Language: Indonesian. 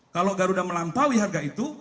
kalau garuda melampaui harga itu